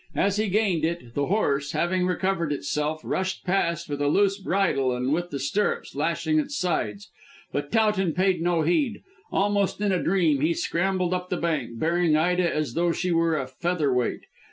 As he gained it the horse, having recovered itself, rushed past with a loose bridle and with the stirrups lashing its sides. But Towton paid no heed. Almost in a dream he scrambled up the bank, bearing Ida as though she were a feather weight.